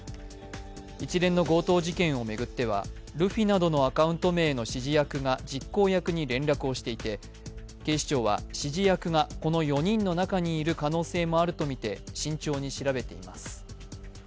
一連の強盗事件を巡っては、ルフィなどのアカウント名の指示役が実行役に連絡をしていて警視庁は指示役がこの４人の中にいる可能性もあるとみて慎重に調べています。